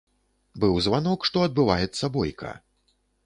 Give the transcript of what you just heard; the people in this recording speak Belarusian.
Быў званок, што адбываецца бойка.